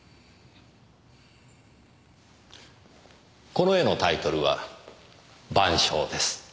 この絵のタイトルは『晩鐘』です。